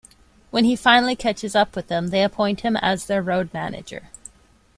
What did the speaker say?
When he finally catches up with them, they appoint him as their road manager.